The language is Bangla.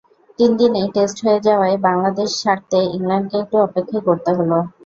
তিন দিনেই টেস্ট হয়ে যাওয়ায় বাংলাদেশ ছাড়তে ইংল্যান্ডকে একটু অপেক্ষাই করতে হলো।